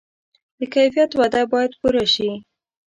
د کیفیت وعده باید پوره شي.